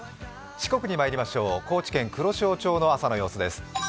四国にまいりましょう、高知県黒潮町の朝の様子です。